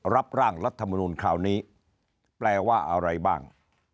รับร่างรัฐมนุนคราวนี้แปลว่าอะไรบ้าง